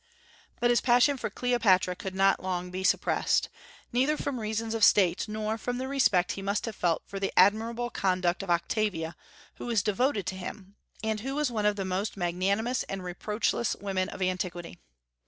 But his passion for Cleopatra could not long be suppressed, neither from reasons of state nor from the respect he must have felt for the admirable conduct of Octavia, who was devoted to him, and who was one of the most magnanimous and reproachless women of antiquity.